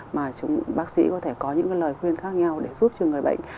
mà chúng bác sĩ có thể có những lời khuyên khác nhau để giúp cho người bệnh